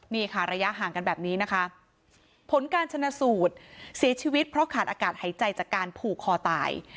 นี่ค่ะระยะห่างกันแบบนี้นะคะผลการชนะสูตรเสียชีวิตเพราะขาดอากาศหายใจจากการผูกคอตาย